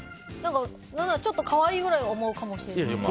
ちょっと可愛いくらいに思うかもしれない。